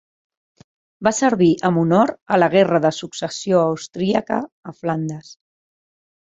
Va servir amb honor a la Guerra de Successió Austríaca a Flandes.